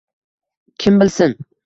Kim bilsin